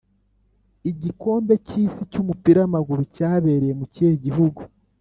Igikombe cyisi cyumupira wamaguru cyabereye mukihe gihugu